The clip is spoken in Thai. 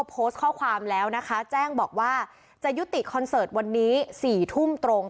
โพสต์ข้อความแล้วนะคะแจ้งบอกว่าจะยุติคอนเสิร์ตวันนี้๔ทุ่มตรง